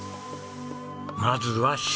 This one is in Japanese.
まずは塩。